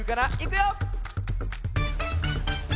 いくよ！